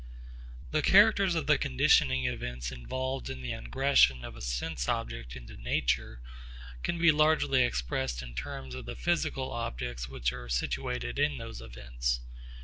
The characters of the conditioning events involved in the ingression of a sense object into nature can be largely expressed in terms of the physical objects which are situated in those events.